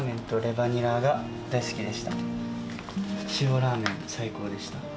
塩らーめん、最高でした。